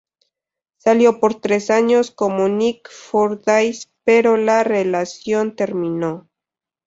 Salió por tres años con Nick Fordyce, pero la relación terminó.